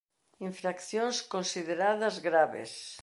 Infraccións consideradas graves.